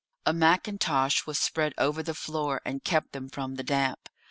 A mackintosh was spread over the floor and kept them from the damp.